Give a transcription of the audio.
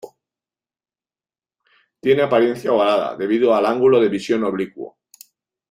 Tiene apariencia ovalada debido al ángulo de visión oblicuo.